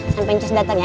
sampai ncus dateng ya